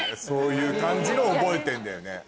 そういう感じのを覚えてんだよね。